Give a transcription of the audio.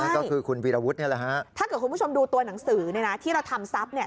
ใช่ถ้าคุณผู้ชมดูตัวหนังสือที่เราทำทรัพย์